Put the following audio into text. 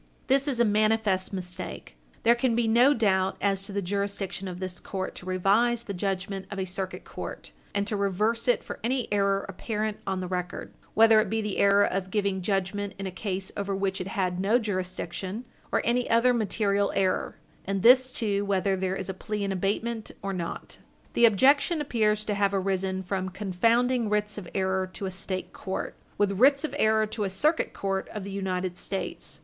This is a manifest mistake; there can be no doubt as to the jurisdiction of this court to revise the judgment of a Circuit Court, and to reverse it for any error apparent on the record, Page 60 U. S. 428 whether it be the error of giving judgment in a case over which it had no jurisdiction or any other material error, and this too whether there is a plea in abatement or not. The objection appears to have arisen from confounding writs of error to a State court with writs of error to a Circuit Court of the United States.